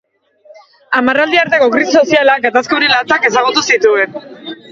Hamarraldi hartako krisi sozialak gatazka une latzak ezagutu zituen.